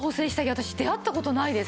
私出会った事ないです。